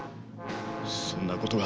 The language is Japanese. そんなことが。